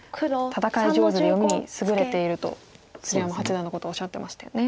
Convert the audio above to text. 戦い上手で読みに優れていると鶴山八段のことをおっしゃってましたよね。